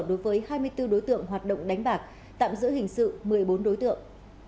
đối với hai mươi bốn đối tượng hoạt động đánh bạc tạm giữ hình sự một mươi bốn đối tượng